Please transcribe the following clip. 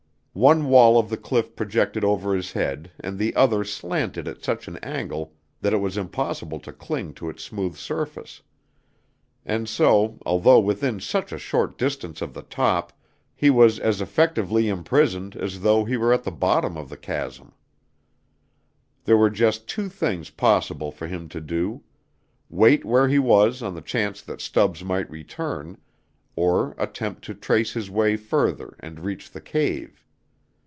One wall of the cliff projected over his head and the other slanted at such an angle that it was impossible to cling to its smooth surface. And so, although within such a short distance of the top, he was as effectively imprisoned as though he were at the bottom of the chasm. There were just two things possible for him to do; wait where he was on the chance that Stubbs might return, or attempt to trace his way further and reach the cave.